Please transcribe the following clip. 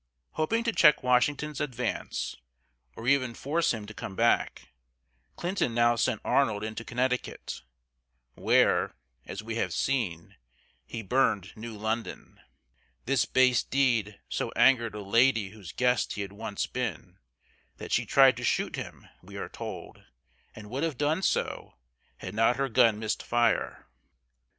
Hoping to check Washington's advance, or even force him to come back, Clinton now sent Arnold into Connecticut, where, as we have seen, he burned New London. This base deed so angered a lady whose guest he had once been, that she tried to shoot him, we are told, and would have done so, had not her gun missed fire.